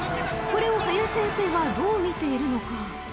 ［これを林先生はどう見ているのか］